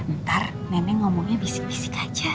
ntar nenek ngomongnya bisik bisik aja